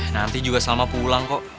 nanti juga sama pulang kok